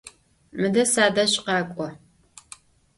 Mıde sadej khak'o!